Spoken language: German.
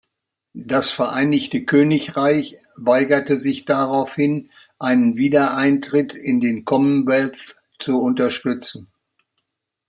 Das Vereinigte Königreich weigerte sich daraufhin, einen Wiedereintritt in den Commonwealth zu unterstützen.